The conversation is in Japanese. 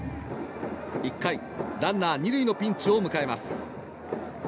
１回、ランナー２塁のピンチを迎えます。